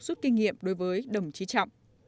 giúp kinh nghiệm đối với đồng chí trọng